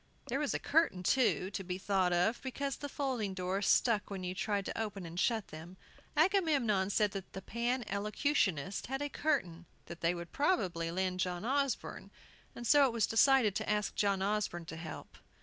There was a curtain, too, to be thought of, because the folding doors stuck when you tried to open and shut them. Agamemnon said that the Pan Elocutionists had a curtain they would probably lend John Osborne, and so it was decided to ask John Osborne to help.